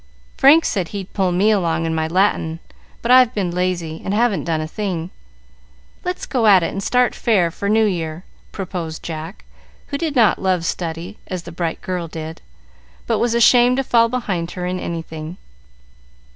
"Frank said he'd pull me along in my Latin, but I've been lazy and haven't done a thing. Let's go at it and start fair for New Year," proposed Jack, who did not love study as the bright girl did, but was ashamed to fall behind her in anything.